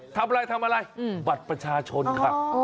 ทำอะไรบัตรประชาชนค่ะ